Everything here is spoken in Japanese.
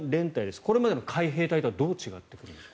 これまでの海兵隊とはどう違ってくるんでしょう。